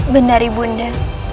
benar ibu bunda